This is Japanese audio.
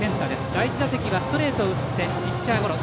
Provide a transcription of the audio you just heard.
第１打席はストレートを打ってピッチャーゴロ。